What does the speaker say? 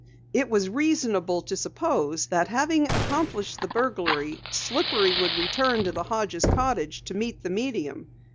It was reasonable to suppose that, having accomplished the burglary, Slippery would return to the Hodges' cottage to meet the medium.